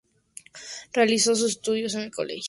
Realizó sus estudios en el Colegio Militar de Palermo.